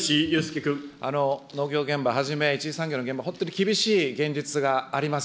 農業現場はじめ、地域産業の現場、本当に厳しい現実があります。